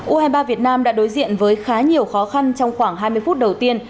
u hai mươi ba việt nam đã đối diện với khá nhiều khó khăn trong khoảng hai mươi phút đầu tiên